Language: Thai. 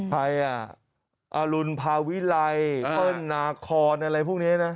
ใครอ่ะอรุณภาวิไลเปิ้ลนาคอนอะไรพวกนี้นะ